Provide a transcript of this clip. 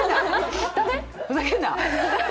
ふざけんな！